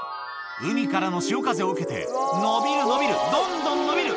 海からの潮風を受けて、伸びる、伸びる、どんどん伸びる。